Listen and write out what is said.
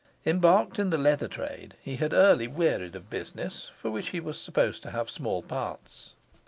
Embarked in the leather trade, he had early wearied of business, for which he was supposed to have small parts.